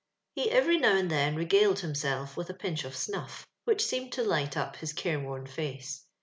He every now and then regaled himself with a pinch of snuff, which seemed to light up Ids careworn face.